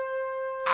あ！